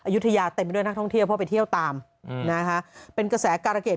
ยุธยาเต็มไปด้วยนักท่องเที่ยวเพราะไปเที่ยวตามนะคะเป็นกระแสการเกษ